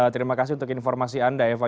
terima kasih untuk informasi anda eva